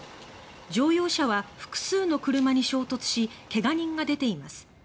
乗用車は、複数の車に衝突し怪我人が出ています。